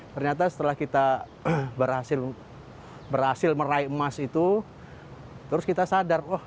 ternyata setelah kita berhasil meraih emas itu terus kita sadar wah